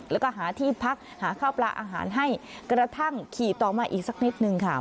แล้วก็หาที่พักหาข้าวปลาอาหารให้กระทั่งขี่ต่อมาอีกสักนิดนึงค่ะ